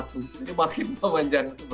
ini makin memanjang